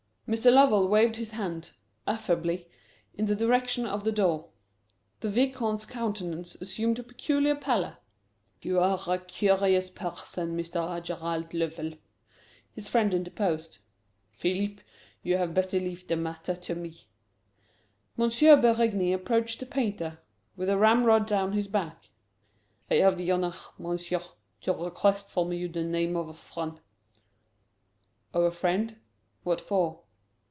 Mr. Lovell waved his hand, affably, in the direction of the door. The Vicomte's countenance assumed a peculiar pallor. "You are a curious person, Mr. Gerald Lovell." His friend interposed. "Philippe, you had better leave the matter to me." M. Berigny approached the painter with a ramrod down his back. "I have the honour, Monsieur, to request from you the name of a friend." "Of a friend? What for?"